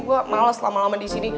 gue malas lama lama di sini